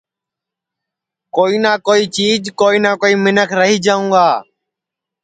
کوئی نہ کوئی چیج کوئی نہ کوئی منکھ رہی جاؤں گا